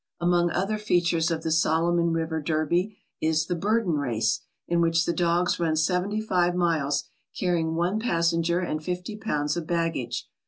Among other features of the Solomon River Derby is the Burden Race, in which the dogs run seventy five miles, carrying one passenger and fifty pounds of baggage.